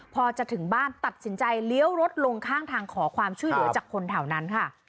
พอจะถึงบ้านตัดสินใจเลี้ยวรถลงข้างทางขอความช่วยเหลือจากคนแถวนั้นค่ะ